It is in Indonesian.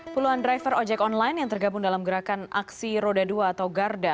puluhan driver ojek online yang tergabung dalam gerakan aksi roda dua atau garda